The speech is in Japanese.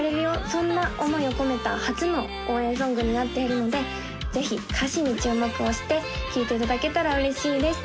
そんな思いを込めた初の応援ソングになっているのでぜひ歌詞に注目をして聴いていただけたら嬉しいです